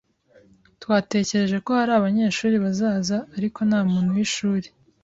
Twatekereje ko hari abanyeshuri bazaza, ariko nta muntu w’ishuri.